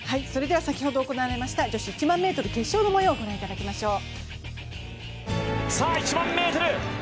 先ほど行われました女子１００００ｍ決勝の模様を御覧いただきましょう。